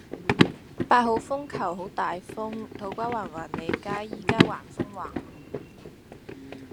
八號風球好大風，土瓜灣環利街依家橫風橫雨